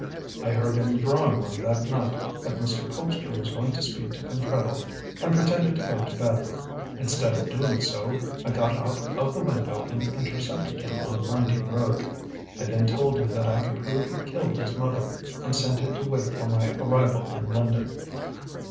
I heard in the drawing room that night that Mr. Colpster was going to speak to Pentreddle, and pretended to go to bed. Instead of doing so, I got out of the window and intercepted him on the winding road. I then told him that I could prove who killed his mother, and sent him to wait for my arrival in London.